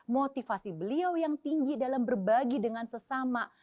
motivasi beliau yang tinggi dalam berbagi dengan sesama